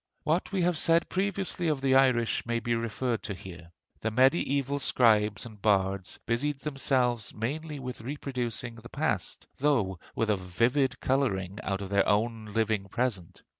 What we have said previously of the Irish may be referred to here. The mediæval scribes and bards busied themselves mainly with reproducing the past, though with a vivid coloring out of their own living present.